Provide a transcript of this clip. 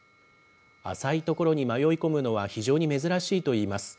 浅い所に迷い込むのは非常に珍しいといいます。